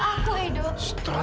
mau lebih kom traffic orphan